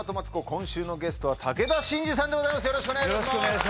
今週のゲストは武田真治さんでございます